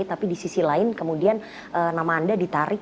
tapi di sisi lain kemudian nama anda ditarik